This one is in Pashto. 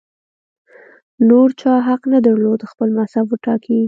نور چا حق نه درلود خپل مذهب وټاکي